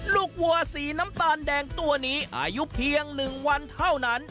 วัวสีน้ำตาลแดงตัวนี้อายุเพียง๑วันเท่านั้น